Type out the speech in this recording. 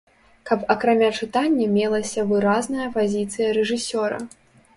Каб акрамя чытання мелася выразная пазіцыя рэжысёра.